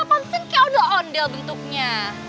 pastiin kayak ada ondel bentuknya